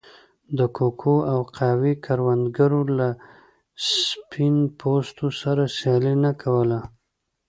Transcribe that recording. د کوکو او قهوې کروندګرو له سپین پوستو سره سیالي نه کوله.